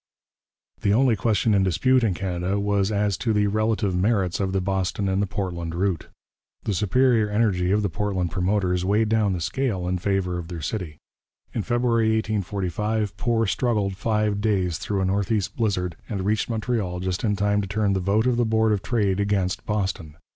The only question in dispute in Canada was as to the relative merits of the Boston and the Portland route. The superior energy of the Portland promoters weighed down the scale in favour of their city. In February 1845 Poor struggled five days through a north east blizzard, and reached Montreal just in time to turn the vote of the Board of Trade against Boston.